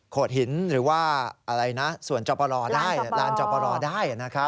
โขดหินหรือว่าอะไรนะส่วนจบปะรอได้ร้านจบปะรอได้นะครับ